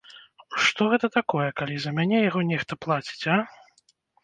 Што гэта такое, калі за мяне яго нехта плаціць, а?